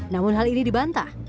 namun hal ini dibantah